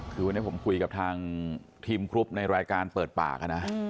คือวันนี้ผมคุยกับทางทีมกรุ๊ปในรายการเปิดปากนะ